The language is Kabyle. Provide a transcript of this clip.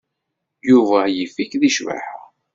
Yuba yif-ik deg ccbaḥa.